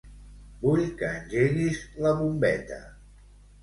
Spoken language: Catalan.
Vull que engeguis la bombeta.